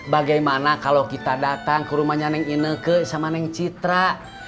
bagaimana kalau kita datang ke rumahnya ini sama yang citra